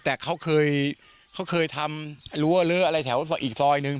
แต่เขาเคยทำวกเหลือแถวอีกซอยหนึ่ง